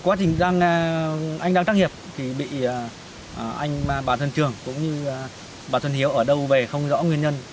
quá trình anh đang tác nghiệp thì bị anh bà thần trường cũng như bà thần hiếu ở đâu về không rõ nguyên nhân